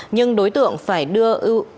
nhưng đối tượng phải đưa